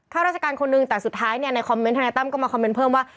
ข้าราชการคนนึงแต่สุดท้ายเนี่ยในคอมเมนต์ทนายตั้มก็มาคอมเมนต์เพิ่มว่า